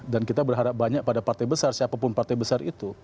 dan kita berharap banyak pada partai besar siapapun partai besar itu